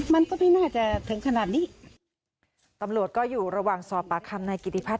มันก็ไม่น่าจะถึงขนาดนี้ตำรวจก็อยู่ระหว่างสอบปากคำนายกิติพัฒ